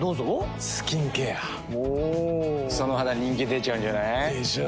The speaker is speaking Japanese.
その肌人気出ちゃうんじゃない？でしょう。